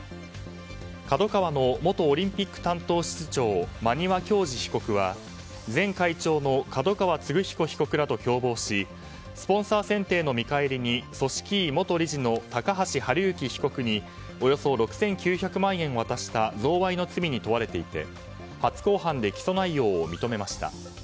ＫＡＤＯＫＡＷＡの元オリンピック担当室長馬庭教二被告は前会長の角川歴彦被告らと共謀しスポンサー選定の見返りに組織委元理事の高橋治之被告におよそ６９００万円を渡した贈賄の罪に問われていて初公判で起訴内容を認めました。